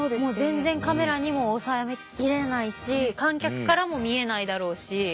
全然カメラにも収め切れないし観客からも見えないだろうし。